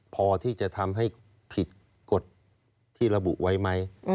พอที่จะทำให้ผิดกฎที่ระบุไว้ไหม